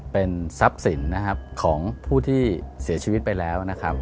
เป็นทรัพย์สินนะครับของผู้ที่เสียชีวิตไปแล้วนะครับ